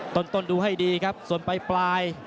ต้นดูให้ดีครับส่วนปลาย